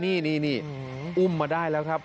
นี่นี่นี่อุ้มมาได้แล้วครับ